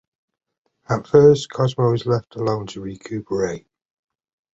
At first, Cosmo is left alone to recuperate.